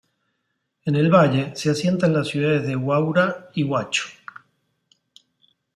En el valle se asientan las ciudades de Huaura y Huacho.